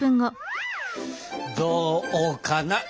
どうかな？